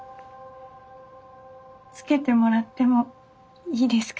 つけてもらってもいいですか？